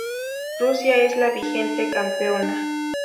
Rusia es la vigente campeona.